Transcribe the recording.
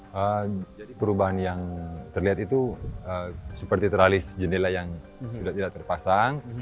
jadi perubahan yang terlihat itu seperti teralis jendela yang sudah tidak terpasang